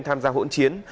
tham gia hỗn chiến